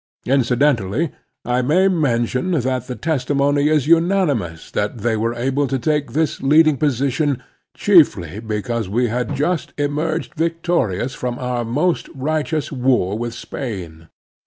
Incidentally I may mention that the testimony is tinanimous that they were able to take this leading position chiefly becatise we had just emerged victorious from our most righteous war with Spain.